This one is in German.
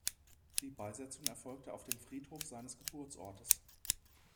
Die Beisetzung erfolgte auf dem Friedhof seines Geburtsortes.